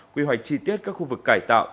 quy hoạch chi tiết các khu vực cải tạo